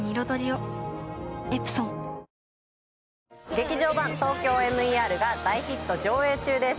「劇場版ＴＯＫＹＯＭＥＲ」が大ヒット上映中です。